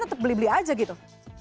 tetap beli beli aja gitu